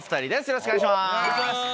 よろしくお願いします。